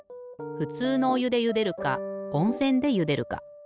ふつうのおゆでゆでるかおんせんでゆでるか。